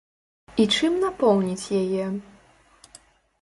І чым напоўніць яе?